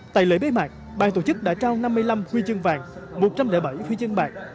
tại lễ bế mạc ban tổ chức đã trao năm mươi năm huy chương vàng một trăm linh bảy huy chương bạc